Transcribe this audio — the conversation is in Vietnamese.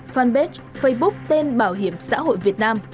fanpage facebook tên bảo hiểm xã hội việt nam